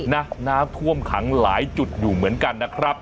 น้ำท่วมขังหลายจุดอยู่เหมือนกันนะครับ